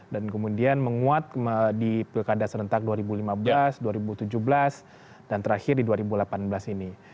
dan kemudian menguat di pilkada serentak dua ribu lima belas dua ribu tujuh belas dan terakhir di dua ribu delapan belas ini